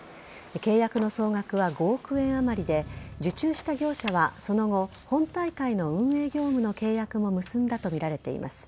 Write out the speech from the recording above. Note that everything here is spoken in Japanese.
契約の総額は５億円あまりで受注した業者はその後本大会の運営業務の契約も結んだとみられています。